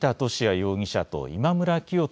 容疑者と今村磨人